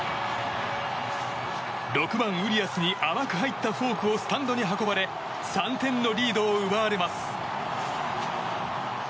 ６番、ウリアスに甘く入ったフォークをスタンドに運ばれ３点のリードを奪われます。